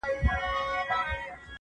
په نقشو د شیطانت کي بریالی سو -